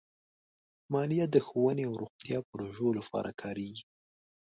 مالیه د ښوونې او روغتیا پروژو لپاره کارېږي.